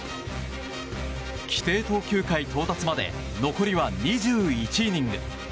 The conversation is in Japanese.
規定投球回到達まで残りは２１イニング。